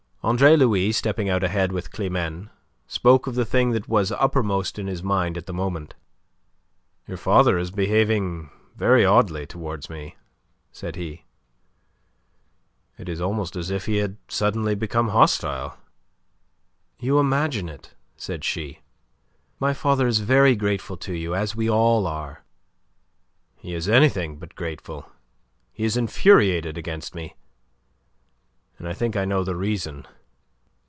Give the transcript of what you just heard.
Andre Louis, stepping out ahead with Climene, spoke of the thing that was uppermost in his mind at the moment. "Your father is behaving very oddly towards me," said he. "It is almost as if he had suddenly become hostile." "You imagine it," said she. "My father is very grateful to you, as we all are." "He is anything but grateful. He is infuriated against me; and I think I know the reason.